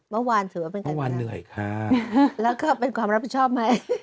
เมื่อวานถือว่าเป็นการเดินทางแล้วก็เป็นความรับผิดชอบไหม